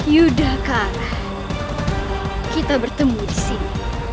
yudhaka kita bertemu disini